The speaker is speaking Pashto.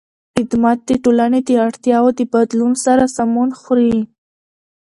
خدمت د ټولنې د اړتیاوو له بدلون سره سمون خوري.